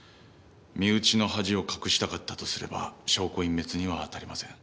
身内の恥を隠したかったとすれば証拠隠滅には当たりません。